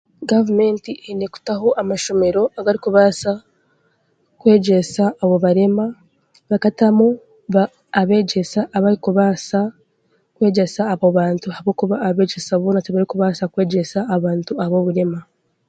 Gavumenti eine kutaho amashomera agarikubaasa kwegyesa abo barema bakatamu ba abeegyesa abarikubaasa kwegyeesa abo bantu ahabwokuba abeegyesa boona tibarikubaasa kwegyesa abantu ab'oburema